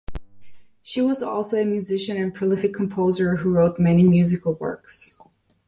She was also a musician and prolific composer who wrote many musical works.